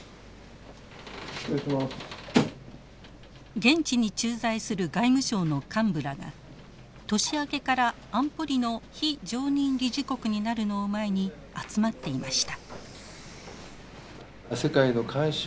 現地に駐在する外務省の幹部らが年明けから安保理の非常任理事国になるのを前に集まっていました。